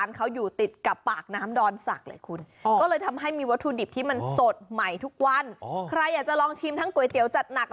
ยกทะเลขึ้นบอกมาเลย